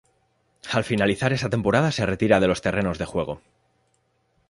Al finalizar esa temporada se retira de los terrenos de juego.